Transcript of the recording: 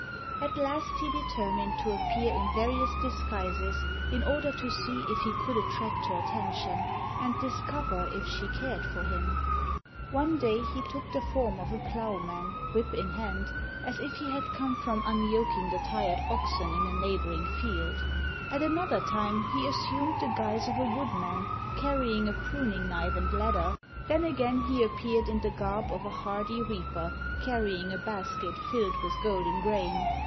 At last he determined to appear in various disguises in order to see if he could attract her attention, and discover if she cared for him. One day he took the form of a plowman, whip in hand, as if he had come from unyoking the tired oxen in a neighboring field. At another time he assumed the guise of a woodman carrying a pruning knife and ladder, then again he appeared in the garb of a hardy reaper carrying a basket filled with golden grain.